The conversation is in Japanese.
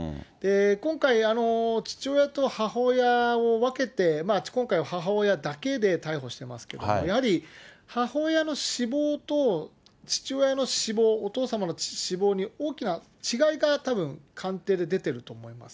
今回、父親と母親を分けて、今回、母親だけで逮捕していますけれども、やはり母親の死亡と父親の死亡、お父様の死亡に大きな違いがたぶん、鑑定で出てると思います。